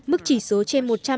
mức chỉ số trên một trăm linh